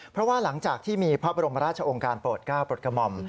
เพราะว่าหลังจากที่มีพระบรมราชองค์การโปรดก้าวโปรดกระหม่อม